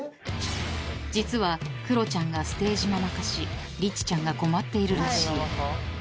［実はクロちゃんがステージママ化しリチちゃんが困っているらしい］